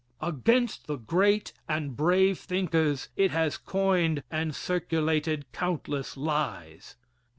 Against the great and brave thinkers it has coined and circulated countless lies.